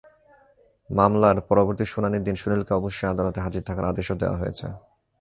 মামলার পরবর্তী শুনানির দিন সুনীলকে অবশ্যই আদালতে হাজির থাকার আদেশও দেওয়া হয়েছে।